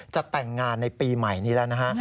จะแต่งงานในปีใหม่นี้แล้วนะฮะ